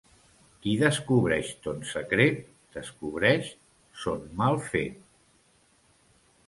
Qui descobreix ton secret, descobreix son mal fet.